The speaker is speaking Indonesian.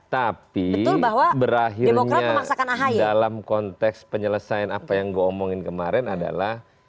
tapi berakhirnya dalam konteks penyelesaian apa yang gue omongin kemarin adalah